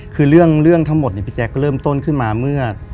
คือเรื่องทั้งหมดเนี่ยพี่แจ๊คเริ่มต้นขึ้นมาเมื่อ